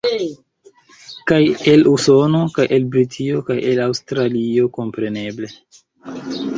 Kaj el Usono, kaj el Britio, kaj el Aŭstralio, kompreneble.